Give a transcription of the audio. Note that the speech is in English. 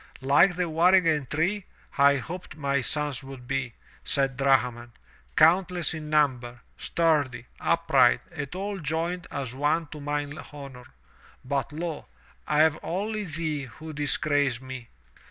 "Like the waringen tree, I hoped my sons would be," said Drahman, "countless in number, sturdy, upright and all joined as one to mine honor. But lo! I have only thee who disgrace me.